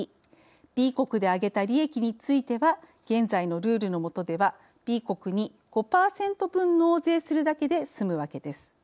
Ｂ国であげた利益については現在のルールのもとではＢ国に５％分納税するだけで済むわけです。